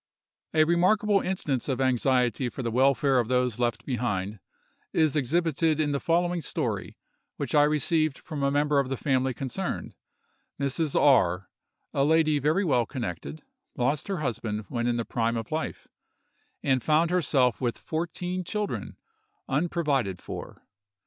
A remarkable instance of anxiety for the welfare of those left behind, is exhibited in the following story, which I received from a member of the family concerned: Mrs. R——, a lady very well connected, lost her husband when in the prime of life, and found herself with fourteen children, unprovided for.